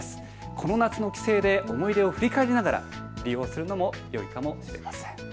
この夏の帰省で思い出を振り返りながら利用するのもよいかもしれません。